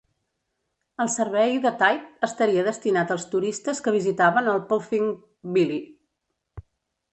El servei de Tait estaria destinat als turistes que visitaven el Puffing Billy.